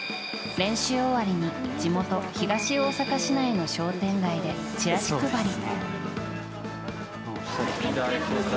練習終わりに地元・東大阪市内の商店街でチラシ配り。